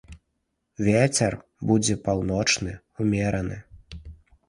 Вецер будзе паўночны, умераны.